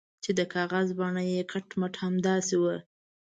چې د کاغذ بڼه یې کټ مټ همداسې وه.